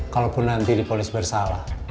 kalaupun nanti dipolis bersalah